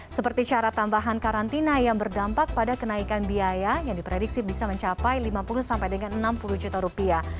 seperti syarat tambahan karantina yang berdampak pada kenaikan biaya yang diprediksi bisa mencapai lima puluh sampai dengan enam puluh juta rupiah